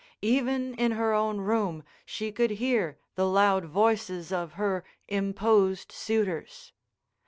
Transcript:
Even in her own room she could hear the loud voices of her imposed suitors.